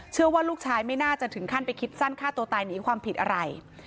เชื่อว่าลูกชายไม่น่าจะถึงขั้นไปคิดสั้นฆ่าตัวตายหนีความผิดอะไร